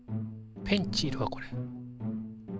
ペンチいるわこれ。